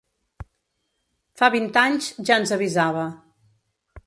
Fa vint anys ja ens avisava.